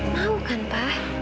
mau kan pak